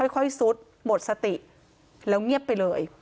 ซุดหมดสติแล้วเงียบไปเลย